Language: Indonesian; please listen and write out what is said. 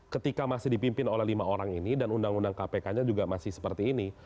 ketika masih dipimpin oleh lima orang ini dan undang undang kpk nya juga masih seperti ini